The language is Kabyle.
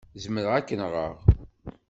Zemreɣ ad k-nɣeɣ.